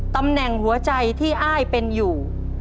ตำแหน่งหัวใจที่อ้ายเป็นอยู่